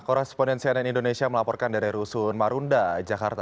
korespondensi ann indonesia melaporkan dari rusun marunda jakarta